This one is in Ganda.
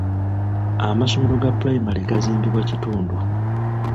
Amasomero ga pulayimale gazimbibwa kitundu.